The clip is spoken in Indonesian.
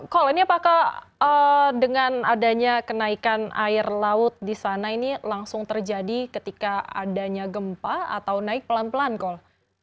kol ini apakah dengan adanya kenaikan air laut di sana ini langsung terjadi ketika adanya gempa atau naik pelan pelan kol